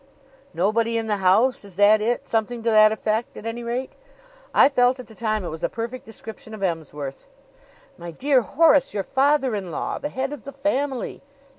Nobody in the house is that it? Something to that effect, at any rate. I felt at the time it was a perfect description of Emsworth." "My dear Horace! Your father in law! The head of the family!"